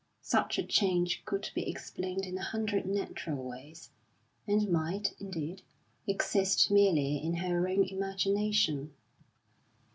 Such a change could be explained in a hundred natural ways, and might, indeed, exist merely in her own imagination.